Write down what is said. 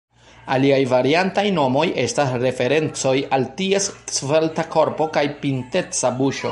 Alia variantaj nomoj estas referencoj al ties svelta korpo kaj pinteca buŝo.